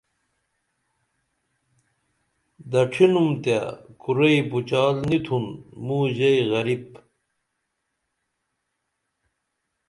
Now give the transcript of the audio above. دڇھنُم تے کُرئی پُچال نی تُھن موں ژے غریپ